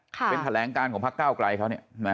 เป็นแถลงการของภักร์ก้าวกลัยเขา